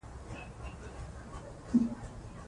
ملالۍ به د چوپان لور وه.